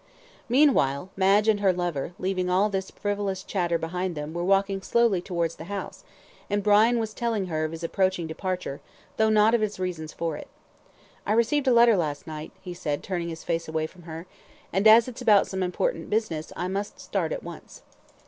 Meanwhile, Madge and her lover, leaving all this frivolous chatter behind them, were walking slowly towards the house, and Brian was telling her of his approaching departure, though not of his reasons for it. "I received a letter last night," he said, turning his face away from her; "and, as it's about some important business, I must start at once."